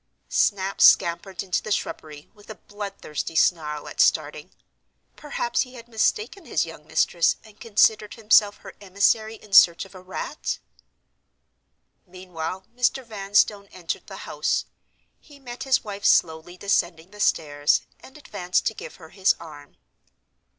Snap scampered into the shrubbery, with a bloodthirsty snarl at starting. Perhaps he had mistaken his young mistress and considered himself her emissary in search of a rat? Meanwhile, Mr. Vanstone entered the house. He met his wife slowly descending the stairs, and advanced to give her his arm.